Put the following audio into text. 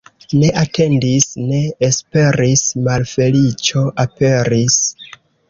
Ne atendis, ne esperis — malfeliĉo aperis.